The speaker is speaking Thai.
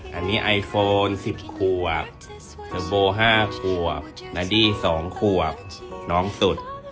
อันนี้ไอโฟนสิบขวบเจอโบ้ห้าขวบนาดี้สองขวบน้องสุด